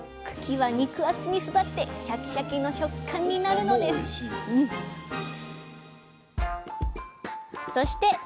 茎は肉厚に育ってシャキシャキの食感になるのですそして